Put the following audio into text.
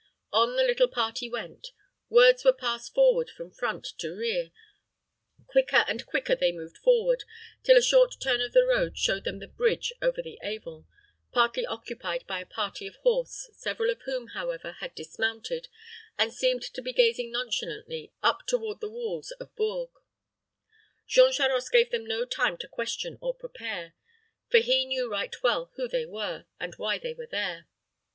On the little party went; words were passed forward from front to rear; quicker and quicker they moved forward, till a short turn of the road showed them the bridge over the Avon, partly occupied by a party of horse, several of whom, however, had dismounted, and seemed to be gazing nonchalantly up toward the walls of Bourges. Jean Charost gave them no time to question or prepare; for he knew right well who they were, and why they were there.